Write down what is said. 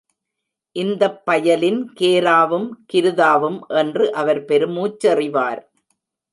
இந்தப் பயலின் கேராவும் கிருதாவும் என்று அவர் பெருமூச்செறிவார்.